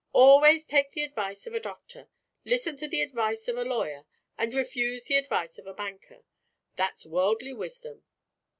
"Always take the advice of a doctor, listen to the advice of a lawyer, and refuse the advise of a banker. That's worldly wisdom."